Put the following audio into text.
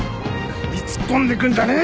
首突っ込んでくんじゃねえよ！